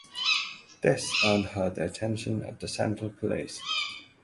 This earned her the attention of the Central Police.